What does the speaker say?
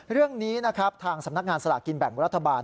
เรื่องนี้นะครับทางสำนักงานสลากกินแบ่งรัฐบาล